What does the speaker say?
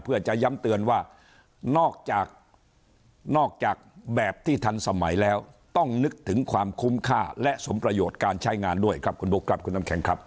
เพื่อจะย้ำเตือนว่านอกจากนอกจากแบบที่ทันสมัยแล้วต้องนึกถึงความคุ้มค่าและสมประโยชน์การใช้งานด้วยครับคุณบุ๊คครับคุณน้ำแข็งครับ